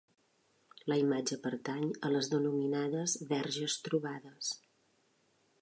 La imatge pertany a les denominades verges trobades.